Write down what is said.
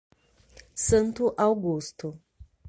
Santo Augusto